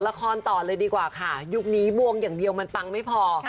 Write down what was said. ต่อเลยดีกว่าค่ะยุคนี้บวงอย่างเดียวมันปังไม่พอ